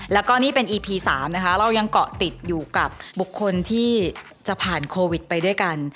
แล้วก็นี่เป็นอีพี๓นะคะเรายังเกาะติดอยู่กับบุคคลที่จะผ่านโควิดไปด้วยกัน